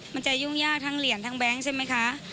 มันจะยุ่งยากทั้งเหรียญทั้งแก๊งใช่ไหมคะ